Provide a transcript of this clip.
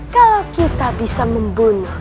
kalau kita bisa membunuh